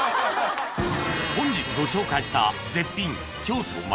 本日ご紹介した絶品京都舞